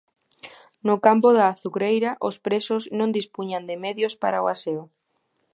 No campo da Azucreira os presos non dispuñan de medios para o aseo.